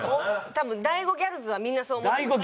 多分大悟ギャルズはみんなそう思ってます。